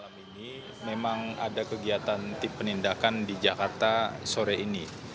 memang ada kegiatan penindakan di jakarta sore ini